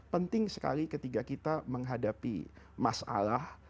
penting sekali ketika kita menghadapi masalah